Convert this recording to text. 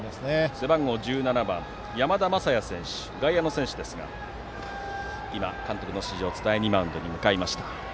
背番号１７番外野の山田雅也選手が監督の指示を伝えにマウンドに向かいました。